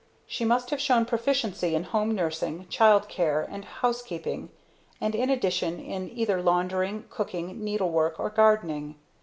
She must have shown proficiency in Home Nursing, Child Care, and Housekeeping and in addition in either Laundering, Cooking, Needlework or Gardening.